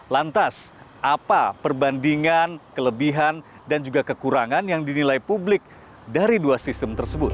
lantas apa perbandingan kelebihan dan juga kekurangan yang dinilai publik dari dua sistem tersebut